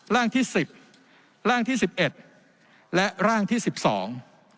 ร่างที่สิบร่างที่สิบเอ็ดและร่างที่สิบสอง